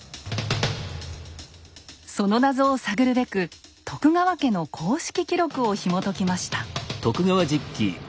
その謎を探るべく徳川家の公式記録をひもときました。